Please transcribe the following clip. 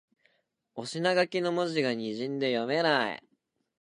お品書きの文字がにじんで読めない